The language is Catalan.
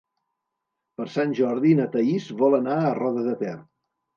Per Sant Jordi na Thaís vol anar a Roda de Ter.